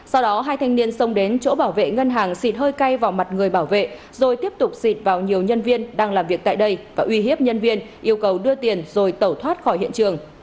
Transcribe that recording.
sau đó hai thanh niên xông đến chỗ bảo vệ ngân hàng xịt hơi cay vào mặt người bảo vệ rồi tiếp tục xịt vào nhiều nhân viên đang làm việc tại đây và uy hiếp nhân viên yêu cầu đưa tiền rồi tẩu thoát khỏi hiện trường